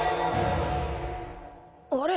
あれ！？